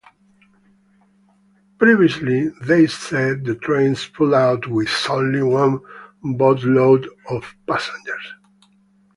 Previously, they said, the trains pulled out with only one boatload of passengers.